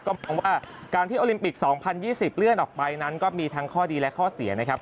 เพราะว่าการที่โอลิมปิก๒๐๒๐เลื่อนออกไปนั้นก็มีทั้งข้อดีและข้อเสียนะครับ